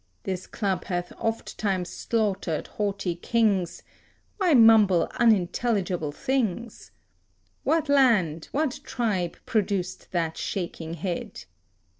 This club hath ofttimes slaughtered haughty kings! Why mumble unintelligible things? What land, what tribe produced that shaking head?